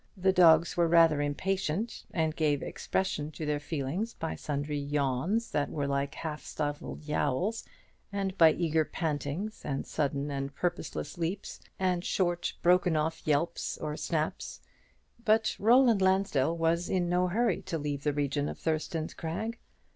The dogs were rather impatient, and gave expression to their feelings by sundry yawns that were like half stifled howls, and by eager pantings, and sudden and purposeless leaps, and short broken off yelps or snaps; but Roland Lansdell was in no hurry to leave the region of Thurston's Crag.